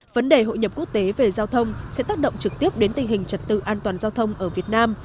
vấn đề hội nhập quốc tế về giao thông sẽ tác động trực tiếp đến tình hình trật tự an toàn giao thông ở việt nam